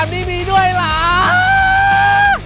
แบบนี้มีด้วยหรอ